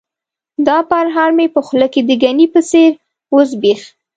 دا پرهار مې په خوله د ګني په څېر وزبیښ.